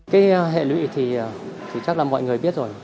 cái hệ lụy thì chắc là mọi người biết rồi